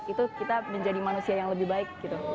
itu kita menjadi manusia yang lebih baik